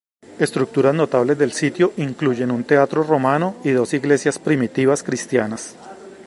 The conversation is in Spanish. Estructuras notables del sitio incluyen un teatro romano y dos iglesias primitivas cristianas.